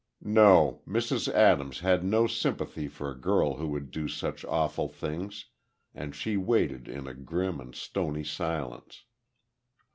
No, Mrs. Adams had no sympathy for a girl who would do such awful things, and she waited in a grim and stony silence.